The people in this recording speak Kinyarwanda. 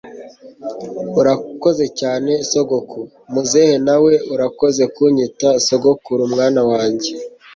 urakoze cyane sogoku! muzehe nawe urakoze kunyita sogokuru mwana wanjye